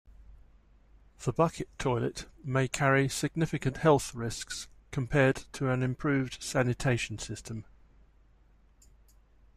The bucket toilet may carry significant health risks compared to an improved sanitation system.